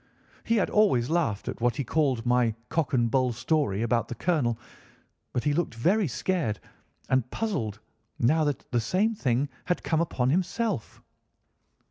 He had always laughed at what he called my cock and bull story about the colonel, but he looked very scared and puzzled now that the same thing had come upon himself.